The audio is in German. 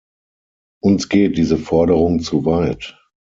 Uns geht diese Forderung zu weit.